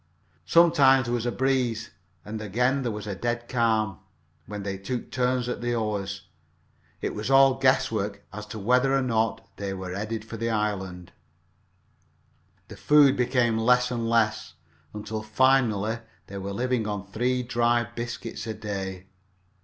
Sometimes there was a breeze, and again there was a dead calm, when they took turns at the oars. It was all guesswork as to whether or not they were headed for the island. The food became less and less, until finally they were living on three dry biscuits a day each.